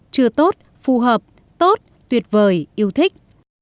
chưa tốt phù hợp tốt tuyệt vời yêu thích